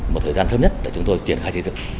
một thời gian sớm nhất để chúng tôi triển khai xây dựng